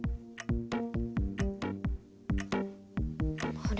あれ？